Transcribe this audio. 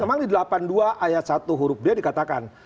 memang di delapan puluh dua ayat satu huruf d dikatakan